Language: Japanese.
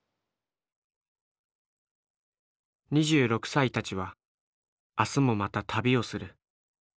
２６歳たちは明日もまた旅をする。